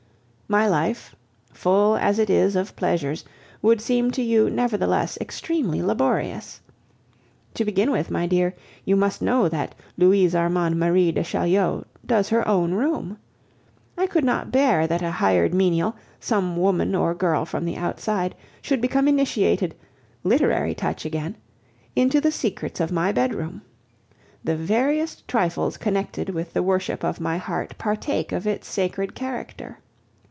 My life, full as it is of pleasures, would seem to you, nevertheless, extremely laborious. To begin with, my dear, you must know that Louise Armande Marie de Chaulieu does her own room. I could not bear that a hired menial, some woman or girl from the outside, should become initiated literary touch again! into the secrets of my bedroom. The veriest trifles connected with the worship of my heart partake of its sacred character.